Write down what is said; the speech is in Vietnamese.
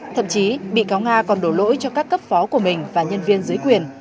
thậm chí bị cáo nga còn đổ lỗi cho các cấp phó của mình và nhân viên dưới quyền